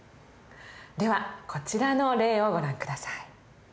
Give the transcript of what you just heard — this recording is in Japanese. ではこちらの例をご覧下さい。